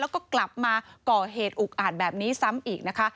แล้วก็กลับมาก่อเหตุอุกอาจแบบนี้ซ้ำอีกนะคะ